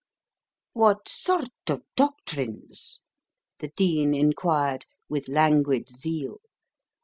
"What sort of doctrines?" the Dean inquired, with languid zeal.